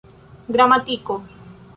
gramatiko